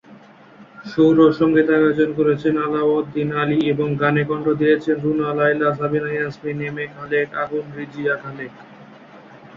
সুর ও সঙ্গীতায়োজন করেছেন আলাউদ্দিন আলী এবং গানে কণ্ঠ দিয়েছেন রুনা লায়লা, সাবিনা ইয়াসমিন, এম এ খালেক, আগুন, রিজিয়া খালেক।